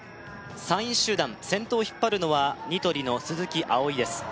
３位集団先頭を引っ張るのはニトリの鈴木葵です